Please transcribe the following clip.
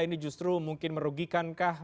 ini justru mungkin merugikankah